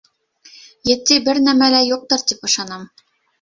Етди бер нәмә лә юҡтыр, тип ышанам